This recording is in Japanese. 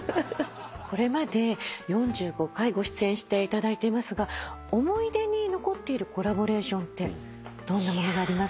これまで４５回ご出演していただいていますが思い出に残っているコラボレーションってどんなものがありますか？